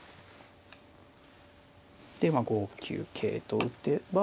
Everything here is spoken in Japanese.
でまあ５九桂と打てば。